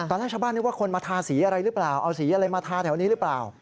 ตอนแรกชาวบ้านนึกว่าคนมาทาสีอะไรหรือเปล่าเอาสีอะไรมาทาแถวนี้หรือเปล่า